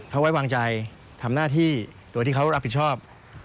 เขาไว้วางใจทำหน้าที่โดยที่เขารับผิดชอบ